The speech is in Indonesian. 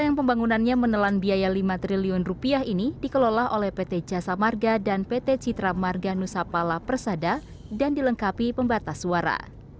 yang pembangunannya menelan biaya lima triliun rupiah ini dikelola oleh pt jasa marga dan pt citra marga nusapala persada dan dilengkapi pembatas suara